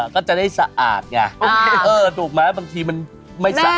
ก็จะได้สะอาดอย่างนี้อ๋อเออถูกหมายที่บางทีมันไม่สะอาด